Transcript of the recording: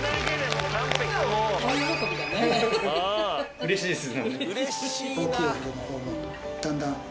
うれしいです？